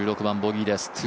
１６番、ボギーです。